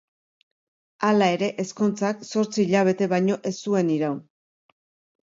Hala ere, ezkontzak zortzi hilabete baino ez zuen iraun.